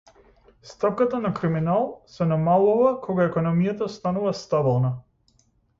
Стапката на криминал се намалува кога економијата станува стабилна.